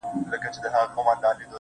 هينداره وي چي هغه راسي خو بارانه نه يې,